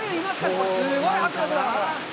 これ、すごい迫力だ！